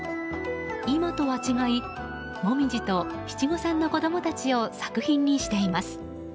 今とは違いモミジと七五三の子供たちを作品にしています。